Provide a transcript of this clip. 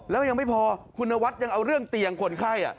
แล้วยังไม่พอคุณนวัดยังเอาเรื่องเตียงคนไข้